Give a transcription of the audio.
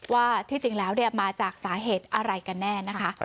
ว่าที่จริงแล้วมาจากสาเหตุอะไรกันแน่นะคะ